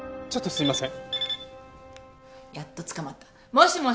すいません